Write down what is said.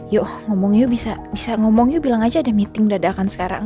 yuk ngomong yuk bisa ngomong yuk bilang aja ada meeting dadakan sekarang